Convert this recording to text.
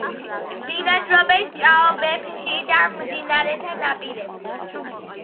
ბინადრობდნენ ჭაობებში და მდინარეთა ნაპირებზე.